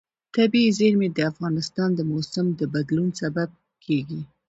طبیعي زیرمې د افغانستان د موسم د بدلون سبب کېږي.